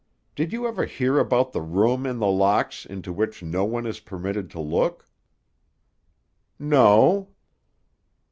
Did you ever hear about the room in The Locks into which no one is permitted to look?" "No."